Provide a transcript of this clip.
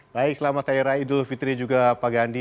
baik selamat hari raya idul fitri juga pak gandhi